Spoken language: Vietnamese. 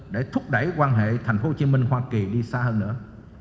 để thúc đẩy quan hệ thành phố hồ chí minh hoa kỳ đi xa hơn nữa